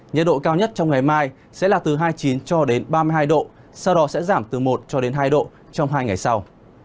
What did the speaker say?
nhiệt độ cao nhất trong ngày mai sẽ là từ hai mươi chín cho đến ba mươi hai độ sau đó sẽ giảm từ một cho đến hai độ trong hai ngày sau